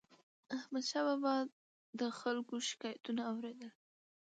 احمدشاه بابا به د خلکو شکایتونه اور يدل.